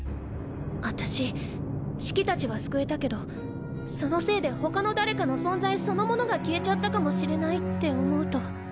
私シキたちは救えたけどそのせいで他の誰かの存在そのものが消えちゃったかもしれないって思うと。